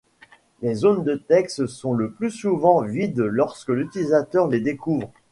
Les zones de texte sont le plus souvent vides lorsque l'utilisateur les découvre.